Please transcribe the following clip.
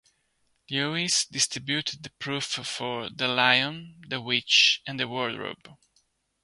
Lewis distributed the proofs for "The Lion, the Witch and the Wardrobe".